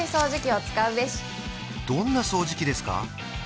どんな掃除機ですか？